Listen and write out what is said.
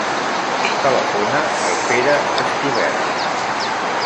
Telefona al Pere Esquivel.